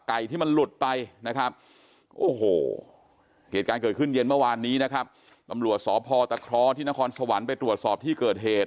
อันนี้นะครับตำรวจสพตะคร้อที่นครสวรรค์ไปตรวจสอบที่เกิดเหตุ